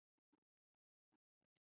这是瑞士卓越的工程和创新的证明。